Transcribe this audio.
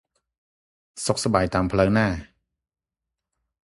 សុខសប្បាយតាមផ្លូវណា៎!